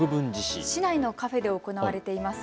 市内のカフェで行われています